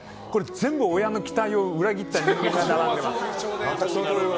全部、親の期待を裏切った人間が並んでいます。